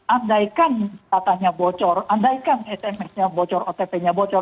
andaikan datanya bocor andaikan sms nya bocor otp nya bocor